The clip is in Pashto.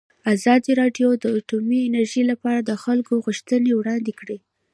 ازادي راډیو د اټومي انرژي لپاره د خلکو غوښتنې وړاندې کړي.